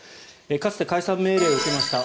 かつて解散命令を受けました